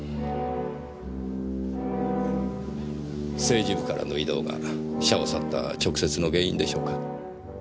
政治部からの異動が社を去った直接の原因でしょうか？